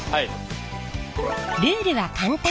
ルールは簡単。